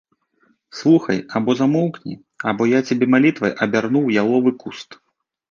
Слухай, або замоўкні, або я цябе малітвай абярну ў яловы куст.